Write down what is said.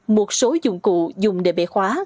một số dụng cụ dùng để bể khóa